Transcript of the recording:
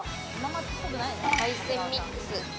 海鮮ミックス。